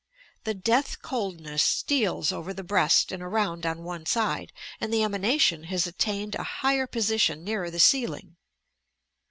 The death coldness steals over the breast and around on one side, and the emanation has attained a higher position nearer the ceiling.